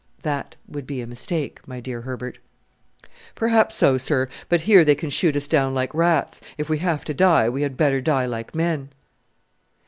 "That would be a mistake, my dear Herbert." "Perhaps so, sir; but here they can shoot us down like rats. If we have to die, we had better die like men."